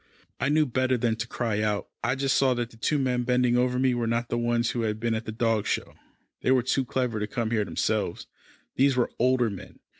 I knew better than to cry out. I just saw that the two men bending over me were not the ones who had been at the dog show. They were too clever to come here themselves. These were older men.